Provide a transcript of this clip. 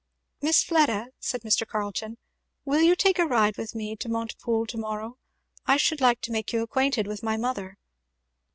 "Miss Fleda," said Mr. Carleton, "will you take a ride with me to Montepoole to morrow? I should like to make you acquainted with my mother."